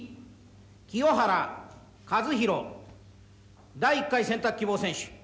清原和博第１回選択希望選手